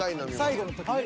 最後の時ね］